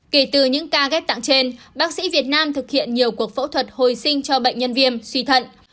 kể từ những ca ghép tạng trên bác sĩ việt nam thực hiện nhiều cuộc phẫu thuật hồi sinh cho bệnh nhân viêm suy thận